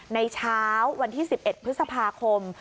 ในเช้าวันที่๑๑พฤษภาคม